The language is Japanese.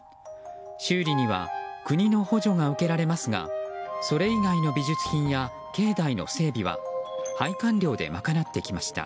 修理には国の補助が受けられますがそれ以外の美術品や境内の整備は拝観料で賄ってきました。